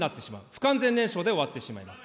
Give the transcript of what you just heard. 不完全燃焼で終わってしまいます。